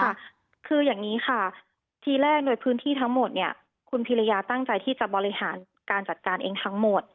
ค่ะคืออย่างนี้ค่ะทีแรกโดยพื้นที่ทั้งหมดเนี่ยคุณพิรยาตั้งใจที่จะบริหารการจัดการเองทั้งหมด